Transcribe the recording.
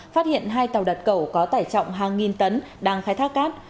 phát hiện hai tàu đặt cẩu có tải trọng hàng nghìn tấn đang khai thác cát